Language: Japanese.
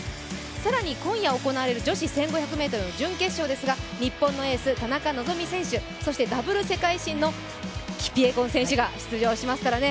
更に今夜行われる女子１５００ｍの準決勝ですが日本のエース・田中希実選手、そしてダブル世界新のキピエゴン選手が出てきますからね。